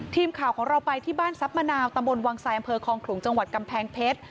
ทีมข่าวของเราไปที่บ้านทรัพย์มะนาวตำบลวังทรายอำเภอคลองขลุงจังหวัดกำแพงเพชร